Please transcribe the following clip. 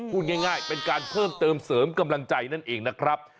พูดง่ายเป็นการเพิ่มเติมเสริมกำลังใจนั่นเองนะครับ